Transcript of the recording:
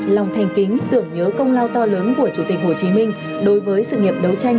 lòng thành kính tưởng nhớ công lao to lớn của chủ tịch hồ chí minh đối với sự nghiệp đấu tranh